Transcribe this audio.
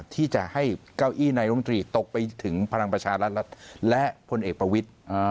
ที่จะให้เก้าอี้นายรมตรีตกไปถึงพลังประชารัฐและพลเอกประวิทธิ์